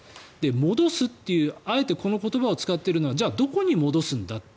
戻すっていうあえてこの言葉を使っているのはじゃあ、どこに戻すんだと。